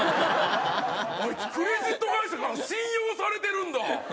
あいつ、クレジット会社から信用されてるんだ。